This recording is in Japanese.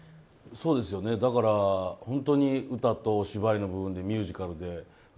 だから、本当に歌とお芝居の部分でミュージカルで。